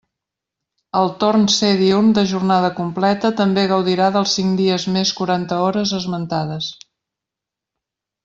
El torn C diürn de jornada completa, també gaudirà dels cinc dies més quaranta hores esmentades.